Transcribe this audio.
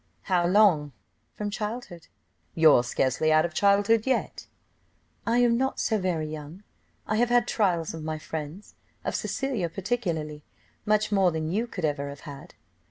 "How long?" "From childhood!" "You're scarcely out of childhood yet." "I am not so very young. I have had trials of my friends of Cecilia particularly, much more than you could ever have had."